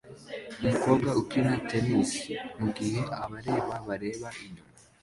Umukobwa ukina tennis mugihe abareba bareba inyuma